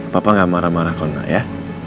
papa gak marah marah kalau enggak ya